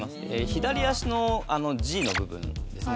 左足のＧの部分ですね。